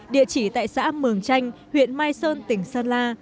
địa chỉ tại xã mường chanh huyện mai sơn tỉnh sơn la